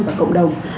và cộng đồng